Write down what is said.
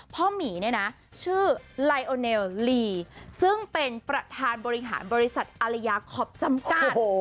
หมีเนี่ยนะชื่อไลโอเนลลีซึ่งเป็นประธานบริหารบริษัทอาริยาคอปจำกัด